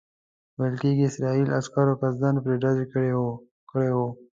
ویل کېږي اسرائیلي عسکرو قصداً پرې ډز کړی وو.